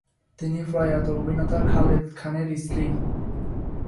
তিনি প্রয়াত অভিনেতা খালেদ খানের স্ত্রী।